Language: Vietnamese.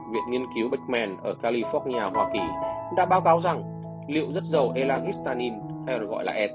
viện nghiên cứu beckman ở california hoa kỳ đã báo cáo rằng liệu rất dầu elangistanin hay gọi là et